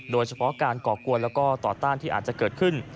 โดยเฉพาะการก่อกวนแล้วก็ต่อต้านที่อาจจะเกิดขึ้น